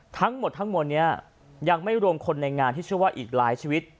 ทั้งหมดทั้งหมดนี้ยังไม่รวมคนในงานที่เชื่อว่าอีกหลายชีวิต